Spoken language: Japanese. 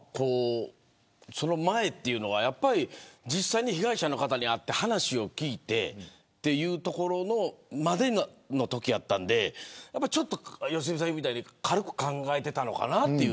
その前というのは実際に被害者の方に会って話を聞いて、というところのまでのときやったんで良純さんが言うみたいに軽く考えていたのかなと。